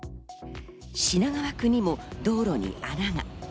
品川区にも道路に穴が。